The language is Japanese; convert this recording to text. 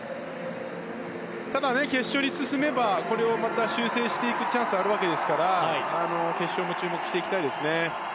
ただ、決勝に進めばこれを修正していくチャンスはあるわけですから決勝にも注目したいですね。